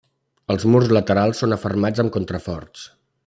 Els murs laterals són afermats amb contraforts.